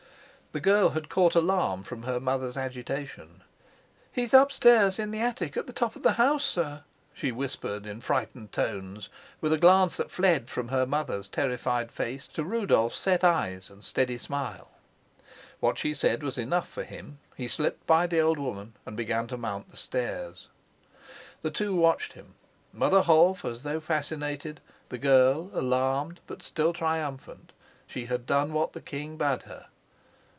The girl had caught alarm from her mother's agitation. "He's upstairs in the attic at the top of the house, sir," she whispered in frightened tones, with a glance that fled from her mother's terrified face to Rudolf's set eyes and steady smile. What she said was enough for him. He slipped by the old woman and began to mount the stairs. The two watched him, Mother Holf as though fascinated, the girl alarmed but still triumphant: she had done what the king bade her.